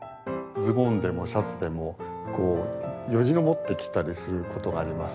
ズボンでもシャツでもこうよじ登ってきたりすることがあります。